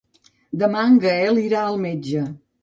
Demà en Gaël irà al metge.